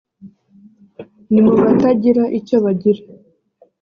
ni mu batagira icyo bagira